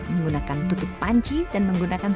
menggunakan tutup panci dan menggunakan